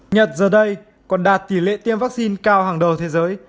nhật giờ đây còn đạt tỷ lệ tiêm vaccine cao hàng đầu thế giới